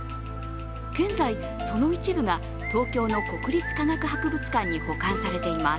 現在、その一部が東京の国立科学博物館に保管されています。